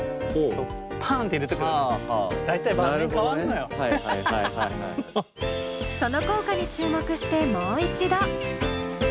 その効果に注目してもう一度。